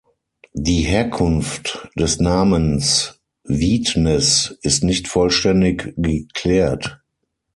Die Herkunft des Namens Widnes ist nicht vollständig geklärt.